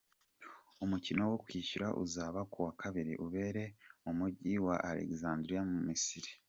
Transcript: Umukino wo kwishyura uzaba ku wa kabiri, ubere mu mujyi wa Alexandria mu Misiri.